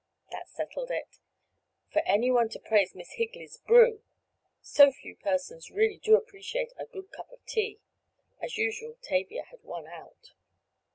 That settled it. For any one to praise Miss Higley's brew! So few persons really do appreciate a good cup of tea. As usual Tavia had "won out."